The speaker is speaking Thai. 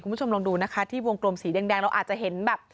คุณผู้ชมลองดูนะคะที่วงกลมสีแดงเราอาจจะเห็นแบบ